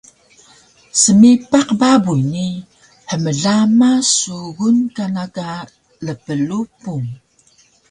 smipaq babuy ni hmlama sugun kana ka lplupung